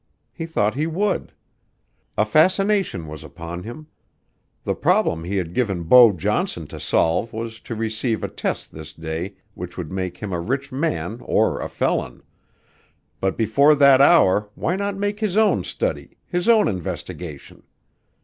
He thought he would. A fascination was upon him. The problem he had given Beau Johnson to solve was to receive a test this day which would make him a rich man or a felon; but before that hour why not make his own study, his own investigation?